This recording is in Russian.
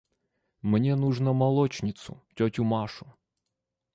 – Мне нужно молочницу, тетю Машу.